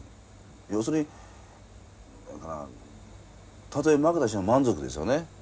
要するにたとえ負けたとしても満足ですよね。